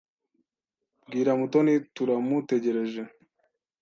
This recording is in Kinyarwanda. Bwira Mutoni turamutegereje.